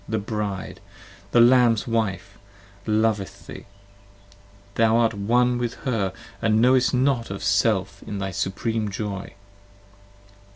the Bride, the Lamb's Wife, loveth thee: Thou art one with her & knowest not of self in thy supreme joy.